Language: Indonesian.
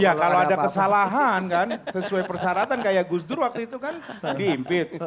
iya kalau ada kesalahan kan sesuai persyaratan kayak gus dur waktu itu kan diimpeach